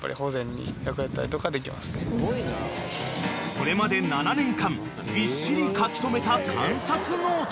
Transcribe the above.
［これまで７年間びっしり書き留めた観察ノート］